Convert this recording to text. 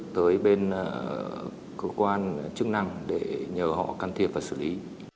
tới bên cơ quan chức năng để nhờ họ can thiệp và xử lý